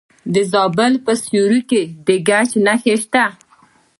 د زابل په سیوري کې د ګچ نښې شته.